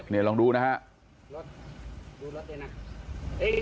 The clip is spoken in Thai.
นี่ลองดูนะครับ